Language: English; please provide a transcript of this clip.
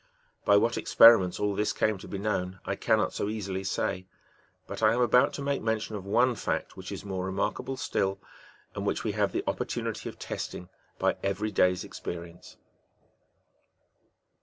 By what expe riments^^ all this came to be known, I cannot so easily say ; but I am about to make mention of one fact which is more re markable still, and which we have the opportunity of testing by every day's experience.